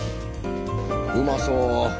うまそう！